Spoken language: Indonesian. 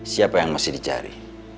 siapa yang masih dicari